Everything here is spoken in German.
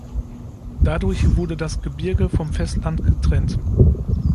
Dadurch wurde das Gebirge vom Festland getrennt.